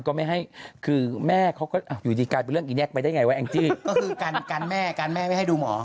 ก็คือการแม่การแม่ไม่ให้ดูหมอ